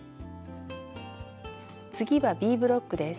次はＢブロックです。